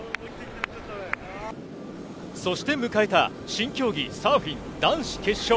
そして迎えた新競技、サーフィン男子決勝。